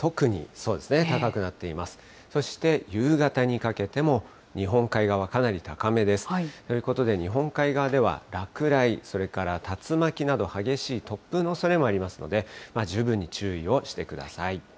そして夕方にかけても、日本海側、かなり高めです。ということで日本海側では落雷、それから竜巻など、激しい突風のおそれもありますので、十分に注意をしてください。